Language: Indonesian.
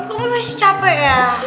kamu masih capek ya